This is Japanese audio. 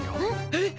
えっ！？